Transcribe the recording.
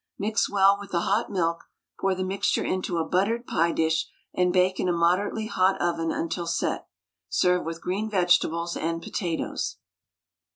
Mix well with the hot milk, pour the mixture into a buttered pie dish, and bake in a moderately hot oven until set. Serve with green vegetables and potatoes.